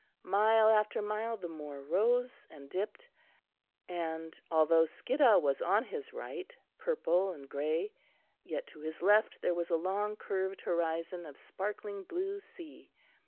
Mile after mile the moor rose and dipped, and, although Skiddaw was on his right, purple and grey, yet to his left there was a long curved horizon of sparkling blue sea.